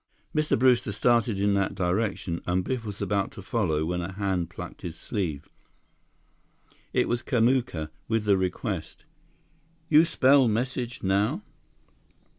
Mr. Brewster started in that direction, and Biff was about to follow when a hand plucked his sleeve. It was Kamuka, with the request: "You spell message now?"